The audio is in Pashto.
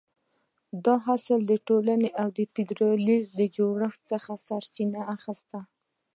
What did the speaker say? دا اصل د ټولنې له فیوډالي جوړښت څخه سرچینه اخیسته.